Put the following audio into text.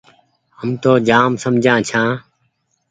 هم تو جآم سمجها ڇآن۔